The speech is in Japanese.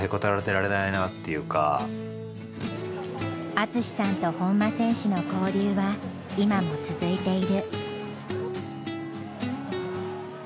淳さんと本間選手の交流は今も続いている。